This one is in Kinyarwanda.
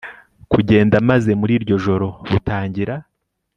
kugenda maze muri iryo joro butangira